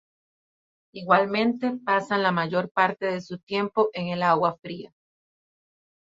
Igualmente pasan la mayor parte de su tiempo en el agua fría.